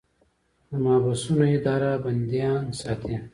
د محبسونو اداره بندیان ساتي